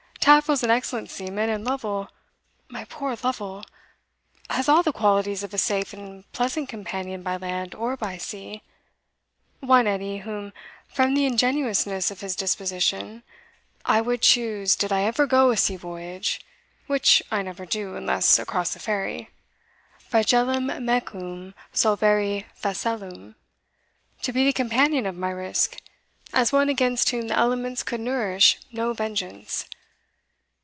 Taffril's an excellent sea man, and Lovel (my poor Lovel!) has all the qualities of a safe and pleasant companion by land or by sea one, Edie, whom, from the ingenuousness of his disposition, I would choose, did I ever go a sea voyage (which I never do, unless across the ferry), fragilem mecum solvere phaselum, to be the companion of my risk, as one against whom the elements could nourish no vengeance.